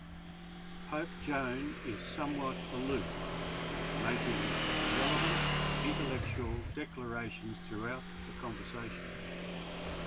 Pope Joan is somewhat aloof, making relevant, intellectual declarations throughout the conversation.